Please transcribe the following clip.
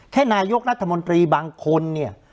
พวกรัฐมนตรีบางคนเนี่ย